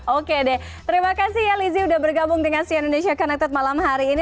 oke deh terima kasih ya lizzie sudah bergabung dengan si indonesia connected malam hari ini